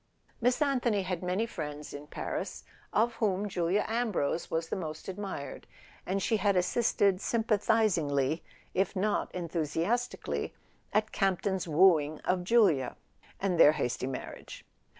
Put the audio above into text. Miss Anthony had many friends in Paris, of whom Julia Ambrose was the most admired; and she had assisted sympathizingly (if not enthusiastically) at Campton's wooing of Julia, and their hasty marriage.